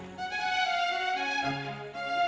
dan jauh dari ibu